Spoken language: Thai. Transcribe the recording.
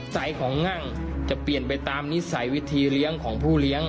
สายของงั่งจะเปลี่ยนไปตามนิสัยวิธีเลี้ยงของผู้เลี้ยง